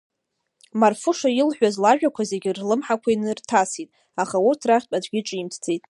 Марфуша илҳәаз лажәақәа зегьы рлымҳақәа инырҭасит, аха урҭ рахьтә аӡәгьы ҿимҭӡеит.